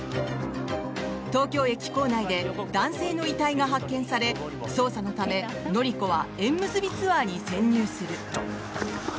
東京駅構内で男性の遺体が発見され捜査のため、乃里子は縁結びツアーに潜入する。